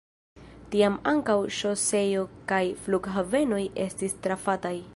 Tiam ankaŭ ŝoseoj kaj flughavenoj estis trafataj.